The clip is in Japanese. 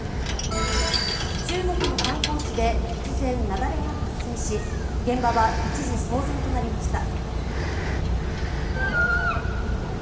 中国の観光地で突然、雪崩が発生し現場は一時、騒然となりました。